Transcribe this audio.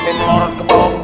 itu jangan berisik dong